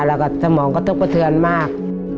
แล้วก็สมองกระทบกระเทือนมาก